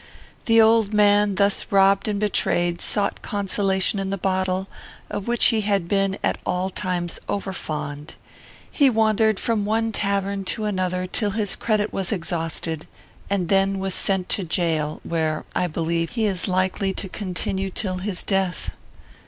"The old man, thus robbed and betrayed, sought consolation in the bottle, of which he had been at all times over fond. He wandered from one tavern to another till his credit was exhausted, and then was sent to jail, where, I believe, he is likely to continue till his death.